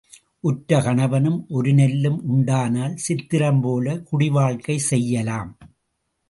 உற்ற கணவனும் ஒரு நெல்லும் உண்டானால் சித்திரம் போலே குடிவாழ்க்கை செய்யலாம்.